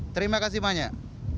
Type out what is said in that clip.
terima kasih banyak